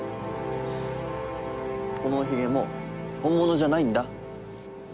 このおひげも本物じゃないんだ。